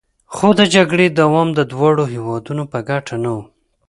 خو د جګړې دوام د دواړو هیوادونو په ګټه نه و